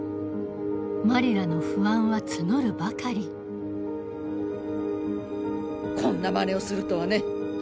マリラの不安は募るばかりこんなまねをするとはね。